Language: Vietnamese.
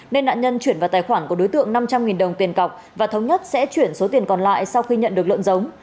nên nạn nhân chuyển vào tài khoản của đối tượng năm trăm linh đồng tiền cọc và thống nhất sẽ chuyển số tiền còn lại sau khi nhận được lợn giống